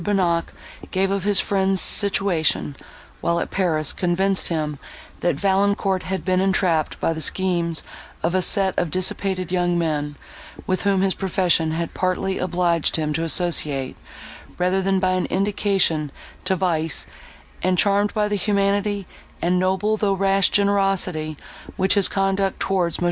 Bonnac gave of his friend's situation, while at Paris, convinced him, that Valancourt had been entrapped by the schemes of a set of dissipated young men, with whom his profession had partly obliged him to associate, rather than by an inclination to vice; and, charmed by the humanity, and noble, though rash generosity, which his conduct towards Mons.